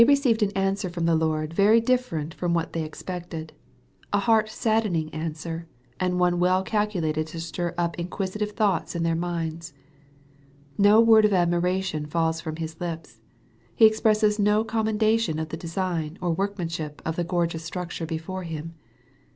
273 ceived an answer from the Lord very different from what they expected, a heart saddening answer, and one well calculated to stir up inquisitive thoughts in their minds. No word of admiration falls from His lips. He expresses no commendation of the design or workman ship of the gorgeous structure before Him.